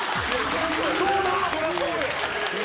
そりゃそうよ！